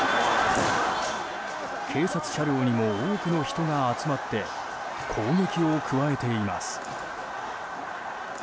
警察車両にも多くの人が集まって攻撃を加えています。